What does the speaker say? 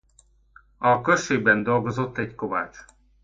A községben dolgozott egy kovács.